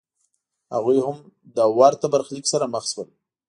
هغوی هم له ورته برخلیک سره مخ شول.